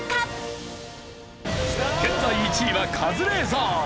現在１位はカズレーザー。